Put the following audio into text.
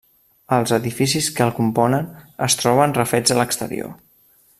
Els edificis que el componen es troben refets a l'exterior.